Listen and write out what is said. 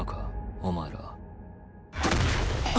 お前ら。